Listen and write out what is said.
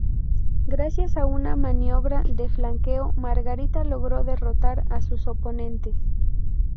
Gracias a una maniobra de flanqueo, Margarita logró derrotar a sus oponentes.